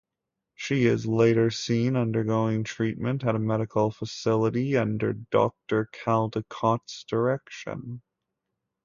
She is later seen undergoing treatment at a medical facility under Doctor Caldicott's direction.